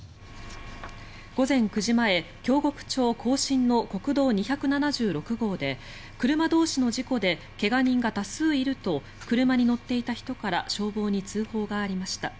午前９時前、京極町更進の国道２７６号で車同士の事故で怪我人が多数いると車に乗っていた人から消防に通報がありました。